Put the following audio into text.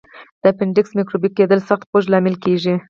د اپنډکس میکروبي کېدل سخت خوږ لامل کېږي.